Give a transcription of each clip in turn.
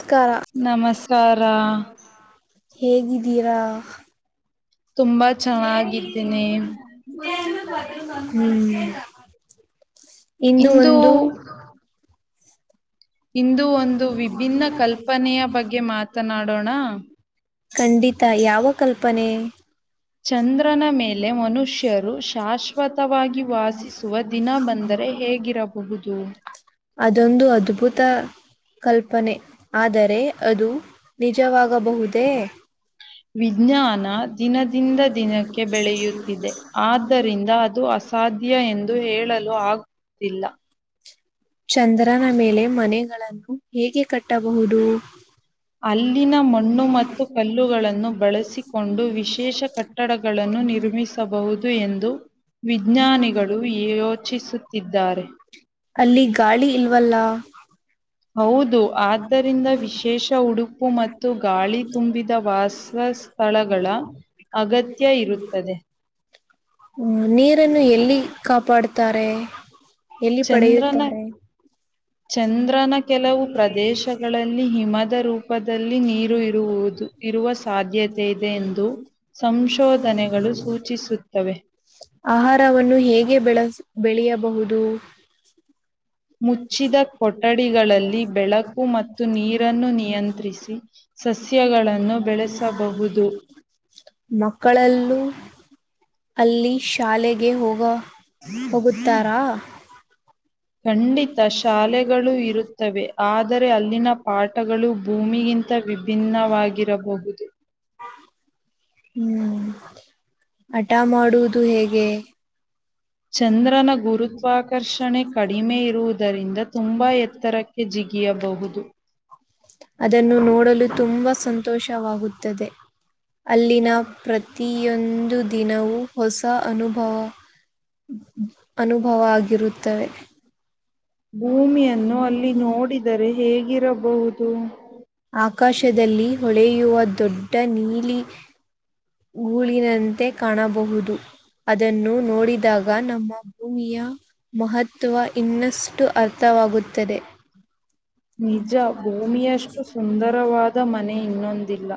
ನಮಸ್ಕಾರ ಹೇಗಿದ್ದೀರಾ ಬ ಹ ಇಂದು ಒಂದು ಇಂದು ಒಂದು ವಿಭಿನ್ನ ಕಲ್ಪನೆಯ ಬಗ್ಗೆ ಮಾತನಾಡೋಣ ಖಂಡಿತ ಯಾವ ಕಲ್ಪನೆ ಚಂದ್ರನ ಮೇಲೆ ಮನುಷ್ಯರು ಶಾಶ್ವತವಾಗಿ ವಾಸಿಸುವ ದಿನ ಬಂದ ಅಂದರೆ ಹೇಗಿರಬಹುದು ಅದೊಂದು ಅದ್ಭುತ ಕಲ್ಪನೆ ಆದರೆ ಅದು ನಿಜವಾಗಬಹುದೇ ವಿಜ್ಞಾನ ದಿನದಿಂದ ದಿನಕ್ಕೆ ಬೆಳೆಯುತ್ತಿದೆ ಆದ್ದರಿಂದ ಅದು ಸಾಧ್ಯ ಎಂದು ಹೇಳಲು ಆಗುತ್ತಿಲ್ಲ ಚಂದ್ರನ ಮೇಲೆ ಮನೆಗಳನ್ನು ಹೇಗೆ ಕಟ್ಟಬಹುದು ಅಲ್ಲಿನ ಮಣ್ಣು ಮತ್ತು ಕಲ್ಲುಗಳನ್ನು ಬಳಸಿಕೊಂಡು ವಿಶೇಷ ಕಟ್ಟಡಗಳನ್ನು ನಿರ್ಮಿಸಬಹುದು ಎಂದು ವಿಜ್ಞಾನಿಗಳು ಯೋಚಿಸುತ್ತಿದ್ದಾರೆ ಅಲ್ಲಿ ಗಾಳಿ ಇಲ್ವಲ್ಲ ಹೌದು ಆದ್ದರಿಂದ ವಿಶೇಷ ಉಡುಪು ಮತ್ತು ಗಾಳಿ ತುಂಬಿದ ವಾಸ ಸ್ಥಳಗಳ ಅಗತ್ಯ ಇರುತ್ತದೆ ಹ ನೀರನ್ನು ಎಲ್ಲಿ ಕಾಪಾಡುತ್ತಾರೆ ಎಲ್ಲಿ ಪಡೆಯುತ್ತಾರೆ ಚಂದ್ರನ ಕೆಲವು ಪ್ರದೇಶಗಳಲ್ಲಿ ಹಿಮದ ರೂಪದಲ್ಲಿ ನೀರು ಇರುವುದು ಇರುವ ಸಾಧ್ಯತೆ ಇದೆ ಎಂದು ಸಂಶೋಧನೆಗಳು ಸೂಚಿಸುತ್ತವೆ ಆಹಾರವನ್ನು ಹೇಗೆ ಬೆಳ ಬೆಳೆಯಬಹುದು ಮುಚ್ಚಿದ ಕೊಠಡಿಗಳಲ್ಲಿ ಬೆಳಕು ಮತ್ತು ನೀರನ್ನು ನಿಯಂತ್ರಿಸಿ ಮನ್ತ ಬ ಮಕ್ಕಳಲ್ಲೂ ಅಲ್ಲಿ ಶಾಲೆಗೆ ಹೋಗ ಹೋಗುತ್ತಾರಾ ಖಂಡಿತ ಶಾಲೆಗಳು ಇರುತ್ತವೆ ಆದರೆ ಅಲ್ಲಿನ ಪಾಠಗಳು ಭೂಮಿಗಿಂತ ವಿಭಿನ್ನವಾಗಿರಬಹುದು ಹ್ಮ್ ಹಟ ಮಾಡುವುದು ಹೇಗೆ ಚಂದ್ರನ ಗುರುತ್ವಾಕರ್ಷಣೆ ಕಡಿಮೆ ಇರುವುದರಿಂದ ತುಂಬಾ ಎತ್ತರಕ್ಕೆ ಜಿಗ ಅದನ್ನು ನೋಡಲು ತುಂಬಾ ಸಂತ ಸಂತೋಷವಾಗುತ್ತದೆ ಅಲ್ಲಿನ ಪ್ರತಿಯೊಂದು ದಿನವೂ ಹೊಸ ಅನುಭವ ಅನುಭವ ಆಗಿರುತ್ತವೆ ಭೂಮಿಯನ್ನು ಅಲ್ಲಿ ನೋಡಿದರೆ ಹೇಗಿರಬಹುದು ಆಕಾಶದಲ್ಲಿ ಹೊಳೆಯುವ ದೊಡ್ಡ ನೀಲಿ ಗೂಳಿನಂತೆ ಕಾಣಬಹುದು ಅದನ್ನು ನೋಡಿದಾಗ ನಮ್ಮ ಭೂಮಿಯ ಮಹತ್ವ ಇನ್ನಷ್ಟು ಅರ್ಥ ಆಗುತ್ತದೆ [inaudible] ನಿಜ ಭೂಮಿಯಷ್ಟು ಸುಂದರವಾದ ಮನೆ ಇನ್ನೊಂದಿಲ್ಲ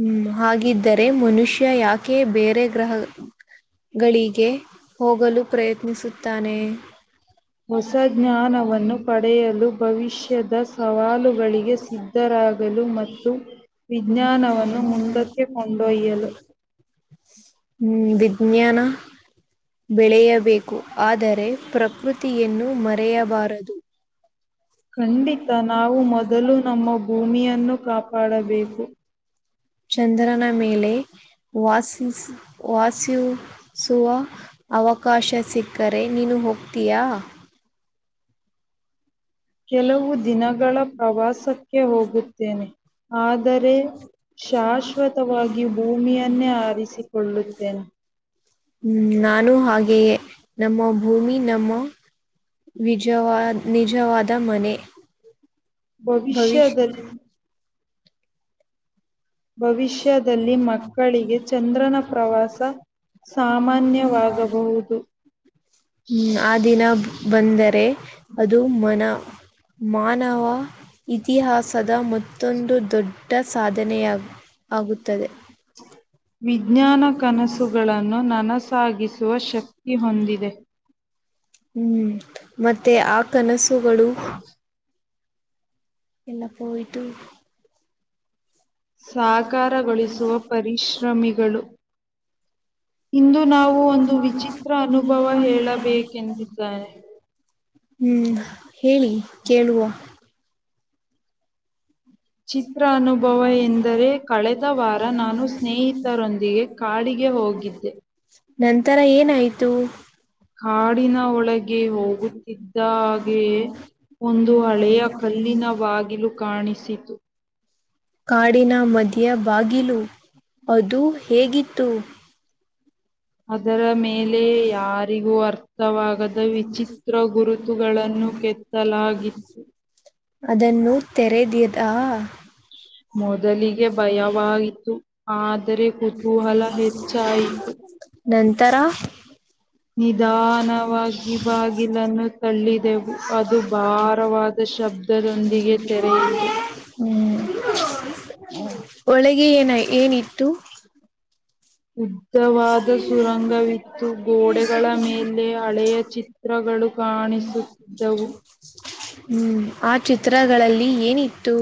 ಹ್ಮ್ ಹಾಗಿದ್ದರೆ ಮನುಷ್ಯ ಯಾಕೆ ಬೇರೆ ಗ್ರಹ ಗಳಿಗೆ ಹೋಗಲು ಪ್ರಯತ್ನಿಸುತ್ತಾನೆ ಹೊಸ ಜ್ಞಾನವನ್ನು ಪಡೆಯಲು ಭವಿಷ್ಯ ಮುಖ್ಯದ ಸವಾಲುಗಳಿಗೆ ಸಿದ್ಧರಾಗಲು ಮತ್ತು ವಿಜ್ಞಾನವನ್ನು ಮುಂದಕ್ಕೆ ಕೊಂಡೊಯ್ಯಲು ಹ್ಮ್ ವಿಜ್ಞಾನ ಬೆಳೆಯಬೇಕು ಆದರೆ ಪ್ರಕೃತಿಯನ್ನು ಮರೆಯಬಾರದು [unintelligible] ಖಂಡಿತ ನಾವು ಮೊದಲು ನಮ್ಮ ಭೂಮಿಯನ್ನು ಕಾಪಾಡಬೇಕು ಚಂದ್ರನ ಮೇಲೆ ವಾಸಿಸ ವಾಸಿಸುವ ಅವಕಾಶ ಸಿಕ್ಕರೆ ನೀನು ಹೋಗ್ತೀಯಾ ಕೆಲವು ದಿನಗಳ ಪ್ರವಾಸಕ್ಕೆ ಹೋಗುತ್ತೇನೆ ಆದರೆ ಶಾಶ್ವತವಾಗಿ ಭೂಮಿಯನ್ನೇ ಆರಿಸಿಕೊಳ್ಳುತ್ತೇನೆ ಹ್ಮ್ ನಾನು ಹಾಗೆಯೇ ನಮ್ಮ ಭೂಮಿ ನಮ್ಮ ನಿಜವಾ ನಿಜವಾದ ಮನೆ ಭವಿಷ್ಯ ಭವಿಷ್ಯದಲ್ಲಿ ಮಕ್ಕಳಿಗೆ ಚಂದ್ರನ ಪ್ರವಾಸ ಸಾಮಾನ್ಯವಾಗಬಹುದು ಹ್ಮ್ ಆ ದಿನ ಬಂದರೆ ಅದು ಮನ ಮಾನವ ಇತಿಹಾಸ ಸದಾ ಮತ್ತೊಂದು ದೊಡ್ಡ ಸಾಧನೆಯ ಆಗುತ್ತದೆ ಸ ವಿಜ್ಞಾನ ಕನಸುಗಳನ್ನು ನನಸಾಗಿಸುವ ಶಕ್ತಿ ಹೊಂದಿದೆ ಹ್ಮ್ ಮತ್ತೆ ಆ ಕನಸುಗಳು ಎಲ್ಲ ಪಯಟ್ಟು ಸಾಕಾರಗೊಳಿಸುವ ಪರಿಶ್ರಮಿಗಳು ಇಗೆ ನಾವುಮ್ಮ ವಿಚಿತ್ರ ಅನುಭವ ಹೇಳಬೇಕುದ್ದಾರೆ ಹ್ಮ್ ಹೇಳಿ ಕೇಳುವ ಚಿತ್ರ ಅನುಭವ ಎಂದರೆ ಕಳೆದ ವಾರ ನಾನು ಸ್ನೇಹಿತರೊಂದಿಗೆ ಕಾಳಿಗೆ ನಂತರ ಏನಾಯ್ತು ಕಾಡಿನ ಒಳಗೆ ಹೋಗುತ್ತಿದ್ದಾಗೆ ಒಂದು ಹಳೆಯ ಕಲ್ಲಿನ ಬಾಗಿಲು ಕಾಣಿಸಿತು ಕಾಡಿನ ಮದಿಯ ಬಾಗಿಲು ಅದುೂ ಹೇಗಿತ್ತು ಅದರ ಮೇಲೆ ಯಾರಿಗೂ ಅರ್ಥವಾಗದ ವಿಚಿತ್ರ ಗುರುತುಗಳನ್ನು ಕೆತ್ತಲಾಗಿತ್ತು ಅದನ್ನು ತೆರೆದಿಯದಾ ಮೊದಲಿಗೆ ಭಯವಾಯತು ಆದರೆ ಕುತೂಹಲ ಹೆಚ್ಚಾಯತು ತರ ಹ್ಮ್ ಒಳಗೆ ಏನ ಏನಿತ್ತು ಉದ್ದವಾದ ಸುರಂಗವಿತ್ತು ಗೋಡೆಗಳ ಮೇಲೆ ಹಳೆಯ ಚಿತ್ರ ಹ ಹ್ಮ್ ಆ ಚಿತ್ರಗಳಲ್ಲಿ ಏನಿತ್ತು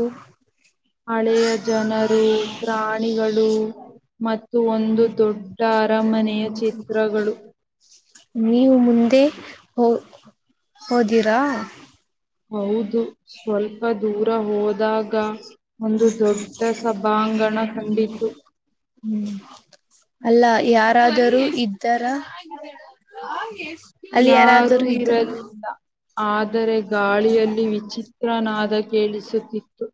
ಹಳೆಯ ಜನರು ಪ್ರಾಣಿಗಳು ಮತ್ತು ಒಂದು ಒಂದು ದೊಡ್ಡ ಅರಮನೆಯ ಚಿತ್ರಗಳು ನೀವು ಮುಂದೆ ಹ ಹೋದಿರಾ ಹೌದು ಸ್ವಲ್ಪ ದೂರ ಹೋದಾಗ ಒಂದು ದೊಡ್ಡ ಸಭಾ ಅಂಗಣ ಕಂಡಿತು ಹ್ಮ್ ಅಲ್ಲ ಯಾರಾದರೂ ಇದ್ದಾರ ಅಲ್ಲಿ ಯಾರಾದರುೂ ಇದ್ರ ಲ್ಲಿ ವಿಚಿತ್ರನಾದ ಕೇಳಿಸುತ್ತಿತ್ತು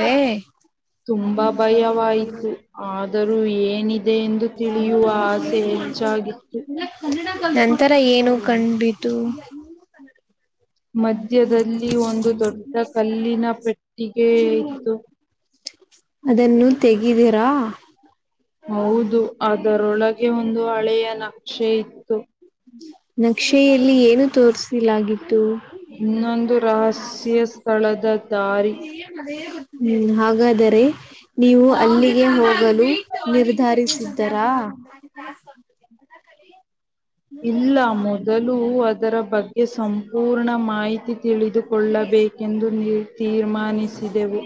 ಹೇ ತುಂಬಾ ಭಯವಾಯಿತು ಆದರೂ ಏನ ಇ ಎಂದು ತಿಳಿಯುವ ಆಸೆ ಹೆಚ್ಚಾಗಿತ್ತು ನಂತರ ಏನು ಕಂಡ್ಬಿತು ಮಧ್ಯದಲ್ಲಿ ಒಂದು ದೊಡ್ಡ ಕಲ್ಲಿನ ಪೆಟ್ಟಿಗೆ ಇತ್ತು ಅದನ್ನು ತೆಗಿದಿರಾ ಹೌದು ಅದರೊಳಗೆ ಒಂದು ಹಳೆಯ ನಕ್ಷೆ ಇತ್ತು ನಕ್ಷೆಯಲ್ಲಿ ಏನು ತೋರಿಸಲಾಗಿತ್ತು ಇನ್ನೊಂದು ರಹಸ್ಯ ಸ್ಥಳದ ದಾರಿ ಹ್ಮ್ ಹಾಗಾದರೆೆ ನೀವು ಅಲ್ಲಿಗೆ ಹೋಗಲು ನಿರ್ಧಾರಿಸಿದ್ದರಾ ಇಲ್ಲ ಮೊದಲು ಅದರ ಬಗ್ಗೆ ಸಂಪೂರ್ಣ ಮಾಹಿತಿ ತಿಳಿದು ಕೊಳ್ಳಬೇಕೆಂದು ನಿ ತೀರ್ಮಾನಿಸಿದೆವು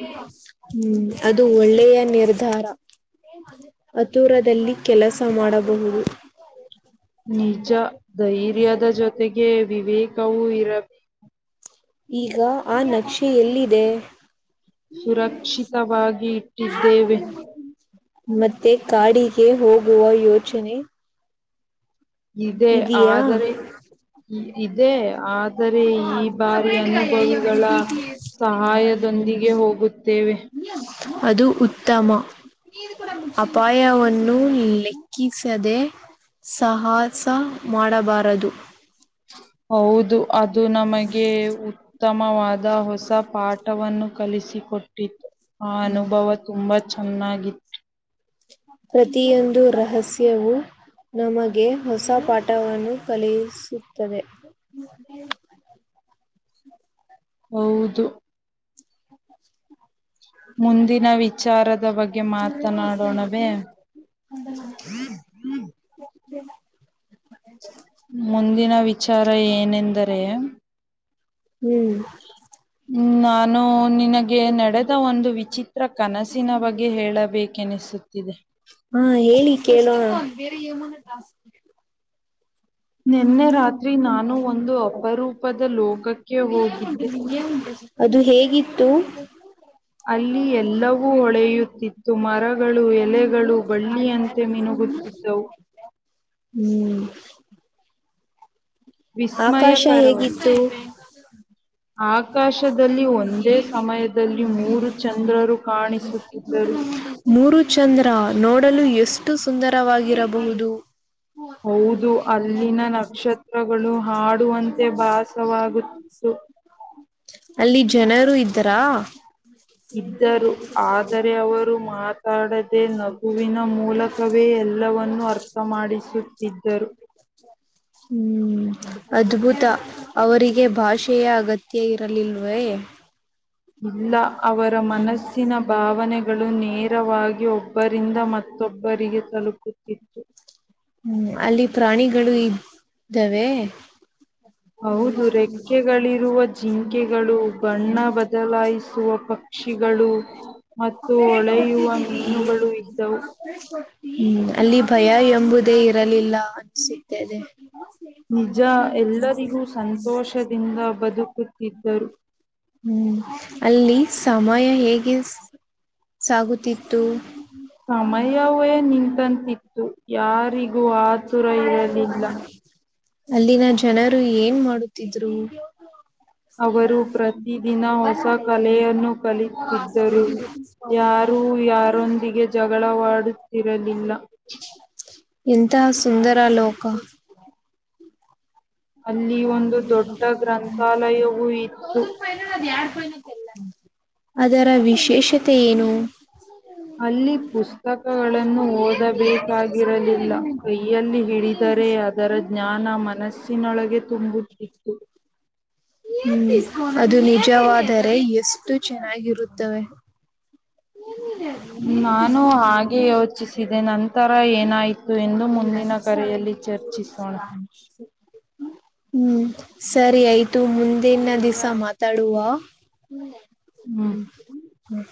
ಹ್ಮ್ ಅದು ಒಳ್ಳೆಯ ನಿರ್ಧಾರ ಅತುರದಲ್ಲಿ ಕೆಲಸ ಮಾಡಬಹುದು ನಿಜ ಧೈರ್ಯದ ಜೊತೆಗೆ ವಿವೇಕವೂ ಇರಬೇಕು ಈಗ ಆ ನಕ್ಷೆ ಎಲ್ಲಿದೆ ಸುರಕ್ಷಿತವಾಗಿ ಇಟ್ಟಿದ್ದೇವೆ ಮತ್ತೆ ಕಾಡಿಗೆ ಹೋಗುವ ಯೋಚನೆ ಇದೆ ಆದರೆ ಇದೆ ಆದರೆ ಈ ಬಾರಿ ಅನುಭವಿಗಳ ಸಹಾಯದ ದೊಂದಿಗೆ ಹೋಗುತ್ತೇವೆ ಅದು ಉತ್ತಮ ಅಪಾಯವನ್ನು ಲೆಕ್ಕಿಸದೆ ಸಹ ಸಹ ಮಾಡಬಾರದು ಹ ಹೌದು ಅದು ನಮಗೆ ಉತ್ತಮವಾದ ಹೊಸ ಪಾಠವನ್ನು ಕಲಿಸಿಕೊಟ್ಟಿತ್ತು ಆ ಅನುಭವ ತುಂಬಾ ಚೆನ್ನಾಗಿತ್ತು ಪ್ರತಿಯೊಂದು ರಹಸ್ಯವೂ ನಮಗೆ ಹೊಸ ಪಾಠವನ್ನು ಕಲಿಸುತ್ತದೆ [inaudible] ಹೌದು ಮುಂದಿನ ವಿಚ ವಿಚಾರದ ಬಗ್ಗೆ ಮಾತನಾಡೋಣವೇ ಹ [inaudible] ಮುಂದಿನ ವಿಚಾರ ಏನೆಂದರೆ ಹ್ಮ್ ಹ್ಮ ನಾನು ನಿನಗೆ ನಡೆದ ಒಂದು ವಿಚಿತ್ರ ಕನಸಿನ ಬಗ್ಗೆ ಹೇಳಬೇಕೆನಿಸುತ್ತೆ ಬೇರೆ ಮನಲ್ಲಾಸ್ [unintelligible] ಹ್ಮ ಉಂಟಿದ್ದ ಏನ್ ಉಂಟ [unintelligible] ಅದು ಹೇಗಿತ್ತು ಅಲ್ಲಿ ಎಲ್ಲವೂ ಹೊಳೆಯುತ್ತಿತ್ತು ಮರ ಗಳು ಎಲೆಗಳು ಬಳ್ಳಿಯಂತೆ ಮಿನುಗುತ್ತಿದ್ದವು ಹ್ಮ್ ವಿಸ್ಮಯಕರ ಆಕಾಶದಲ್ಲಿ ಒಂದೇ ಸಮಯದಲ್ಲಿ ಮೂರು ಚಂದ್ರರು ಕಾಣಿಸುತ್ತಿದ್ದರು ಮೂರು ಚಂದ್ರ ನೋಡಲು ಎಷ್ಟು ಸುಂದರವಾಗಿರಬಹುದು ಹೌದು ಅಲ್ಲಿನ ನಕ್ಷತ್ರಗಳು ಹಾಡುವಂತೆ ಭಾಸವಾಗುತ್ತಿತ್ತು ಅಲ್ಲಿ ಜನರು ಇದ್ರಾ? ಇದ್ದರು. ಆದರೆ ಅವರು ಮಾತಾಡ ದೇ ನಗುವಿನ ಮೂಲಕವೇ ಎಲ್ಲವನ್ನೂ ಅರ್ಥಮಾಡಿಸುತ್ತಿದ್ದರು. ಹ್ಮ್ ಅದ್ಭುತ ಅವರಿಗೆ ಭಾಷೆಯ ಅಗತ್ಯ ಇರಲಿಲ್ವೇ ಇಲ್ಲ ಅವರ ಮನಸ್ಸಿನ ಭಾವನೆಗಳು ನೇರವಾಗಿ ಹೋ ಒಬ್ಬರಿಂದ ಮತ್ತೊಬ್ಬರಿಗೆ ತಲುಪುತ್ತಿತ್ತು ಹ್ಮ್ ಅಲ್ಲಿ ಪ್ರಾಣಿಗಳು ಇದ್ದವೆ ಹೌದು ರೆಕ್ಕೆಗಳಿರುವ ಜಿಂಕೆಗಳು ಬಣ್ಣ ಬದಲಾಯಿಸುವ ಪ ಪಕ್ಷಿಗಳು ಹ್ಮ ಅಲ್ಲಿ ಭಯ ಎಂಬುದೇ ಇರಲಿಲ್ಲ ಅನಿಸುತ್ತದೆ ನಿಜ ಎಲ್ಲರಿಗೂ ಸಂತೋಷದಿಂದ ಬದುಕುತ್ತಿದ್ದರು. ಹ್ಮ್ ಅಲ್ಲಿ ಸಮಯ ಹೇಗೆ ಸ್ ಸಮಯವೇ ನಿಂತಂತಿತ್ತು ಯಾ ಯಾರಿಗೂ ಆತುರ ಇರಲಿಲ್ಲ. ಅಲ್ಲಿನ ಜನರು ಏನ್ ಮಾಡುತ್ತಿದ್ರು? [unintelligible] ಅವರು ಪ್ರತಿದಿನ ಹೊಸ ಕಲೆಯನ್ನು ಕಲಿತಿದ್ದರು. ಯಾರು ಯಾರೊಂದಿಗೆ ಜಗಳವಾಡುತ್ತಿರಲಿಲ್ಲ. ಎಂತ ಸುಂದರ ಲೋಕ [unintelligible] ಅದರ ವಿಶೇಷತೆ ಏನು? ಅಲ್ಲಿ ಪುಸ್ ತಕಗಳನ್ನು ಓದಬೇಕಾಗಿರಲಿಲ್ಲ. ಕೈಯಲ್ಲಿ ಹಿಡಿದರೆ ಅದರ ಜ್ಞಾನ್ ನ ಮನಸ್ಸಿನೊಳಗೆ ತುಂಬುತ್ತಿತ್ತು. ಅದು ನಿಜವಾದರೆ ಎಷ್ಟು ಚೆನ್ನಾಗಿರುತ್ತವೆ. ನಾನು ಹಾಗೆ ಯೋಚಿಸಿದೆ ನಂತರ ಏನಾಯಿತು ಎಂದು ಮುಂದಿನ ಕರೆಯಲ್ಲಿ ಚರ್ಚಿಸೋಣ. ಹ್ಮ್ ಸರಿ ಆಯ್ತು ಮುಂದಿನ ದಿಸ ಮಾತಾಡುವ. ಹ್ಮ್ ಹ್ಮ್